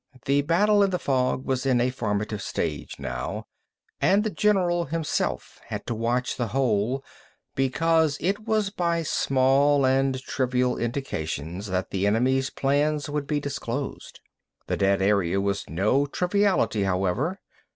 The battle in the fog was in a formative stage, now, and the general himself had to watch the whole, because it was by small and trivial indications that the enemy's plans would be disclosed. The dead area was no triviality, however.